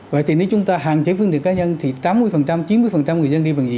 vậy thì nếu chúng ta hạn chế phương tiện cá nhân thì tám mươi chín mươi người dân đi bằng gì